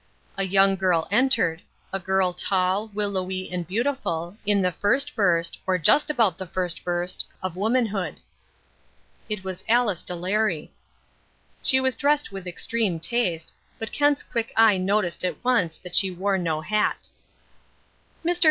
A young girl entered, a girl, tall, willowy and beautiful, in the first burst, or just about the first burst, of womanhood. It was Alice Delary. She was dressed with extreme taste, but Kent's quick eye noted at once that she wore no hat. "Mr.